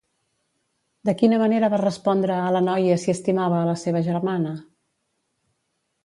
De quina manera va respondre a la noia si estimava a la seva germana?